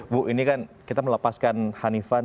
bu ini kan kita melepaskan hanifan